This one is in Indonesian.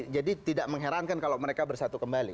jadi tidak mengherankan kalau mereka bersatu kembali